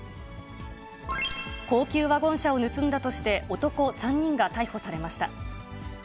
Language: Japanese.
高級ワゴン車を盗んだとして、男３人が逮捕されました。